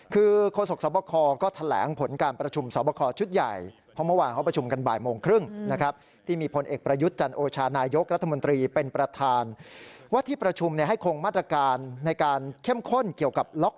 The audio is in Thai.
คือโคศกศาวบกคอก็แถลงผลการประชุมศาวบกคอร์ชุดใหญ่